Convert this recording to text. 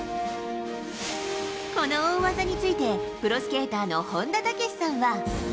この大技について、プロスケーターの本田武史さんは。